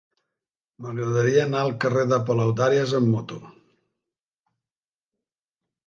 M'agradaria anar al carrer de Palaudàries amb moto.